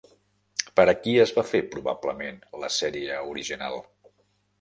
Per a qui es va fer probablement la sèrie original?